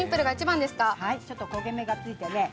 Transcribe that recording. ちょっと焦げ目がついてね。